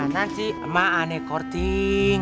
nanti emang aneh korting